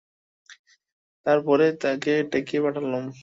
তার পরে তাঁকে ডেকে পাঠালুম।